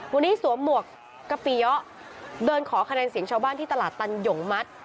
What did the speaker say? วันนี้สวมหมวกกะปิยะเดินขอคะแนนเสียงชาวบ้านที่ตลาดตันหยงมัด